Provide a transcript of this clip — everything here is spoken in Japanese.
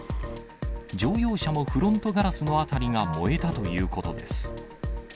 乗用車もフロントガラスの辺りが燃えたということです。